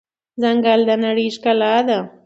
ځنګل د نړۍ ښکلا ده.